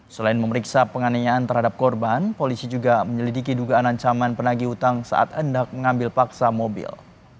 selain memeriksa penganiayaan terhadap korban polisi juga menyelidiki dugaan ancaman penagi utang saat hendak mengambil paksa mobil